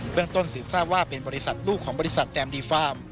เรื่องต้นสืบทราบว่าเป็นบริษัทลูกของบริษัทแอมดีฟาร์ม